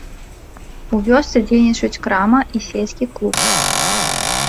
У вёсцы дзейнічаюць крама і сельскі клуб.